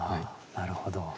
なるほど。